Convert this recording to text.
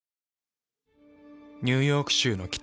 ニューヨーク州の北。